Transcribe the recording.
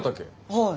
はい。